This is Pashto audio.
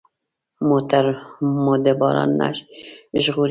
موټر مو د باران نه ژغوري.